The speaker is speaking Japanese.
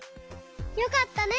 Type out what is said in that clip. よかったね！